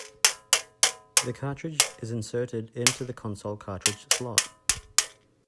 The cartridge is inserted into the console cartridge slot.